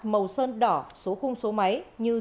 màu sơn đỏ số khung số máy